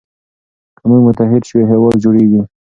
که موږ متحد سو هېواد جوړیږي.